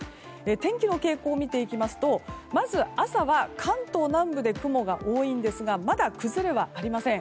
天気の傾向を見ていきますとまず朝は関東南部で雲が多いんですがまだ崩れはありません。